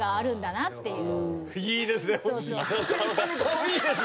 いいですね。